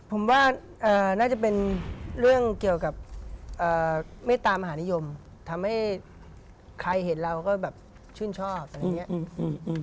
ผมว่าน่าจะเป็นเรื่องเกี่ยวกับเมตตามหานิยมทำให้ใครเห็นเราก็แบบชื่นชอบอะไรอย่างเงี้ยอืม